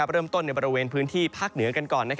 เริ่มต้นในบริเวณพื้นที่ภาคเหนือกันก่อน